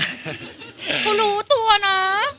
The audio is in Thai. เขารู้ตัวนะ